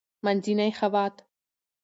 -منځنی خوات: